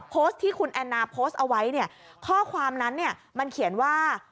โพสต์ที่คุณแอนนาโพสต์เอาไว้เนี่ยข้อความนั้นเนี่ยมันเขียนว่า